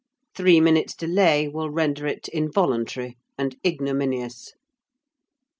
Three minutes' delay will render it involuntary and ignominious."